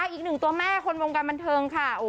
อีกหนึ่งตัวแม่คนวงการบันเทิงค่ะ